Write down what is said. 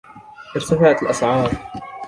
ارتفعت الأسعار.